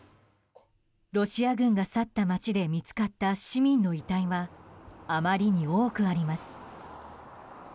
ロシア軍が去った街で見つかった市民の遺体はあまりに多くあります。